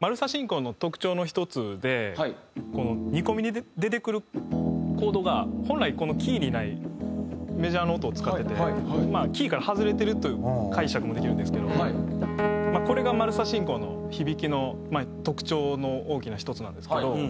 丸サ進行の特徴の１つでこの２個目に出てくるコードが本来このキーにないメジャーの音を使っててキーから外れてるという解釈もできるんですけどこれが丸サ進行の響きの特徴の大きな１つなんですけどここをあえてマイナーのまま。